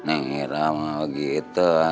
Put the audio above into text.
ini mira gak begitu